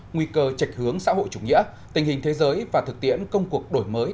nguy cơ trạch hướng xã hội chủ nghĩa tình hình thế giới và thực tiễn công cuộc đổi mới